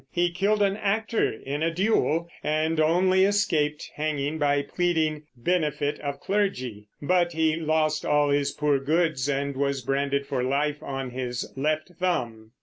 He killed an actor in a duel, and only escaped hanging by pleading "benefit of clergy"; but he lost all his poor goods and was branded for life on his left thumb.